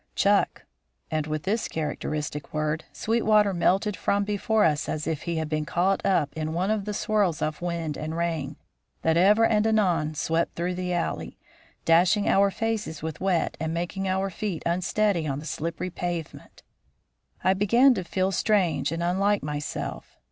"Chuck." And with this characteristic word Sweetwater melted from before us as if he had been caught up in one of the swirls of wind and rain that ever and anon swept through the alley, dashing our faces with wet and making our feet unsteady on the slippery pavement. I began to feel strange and unlike myself.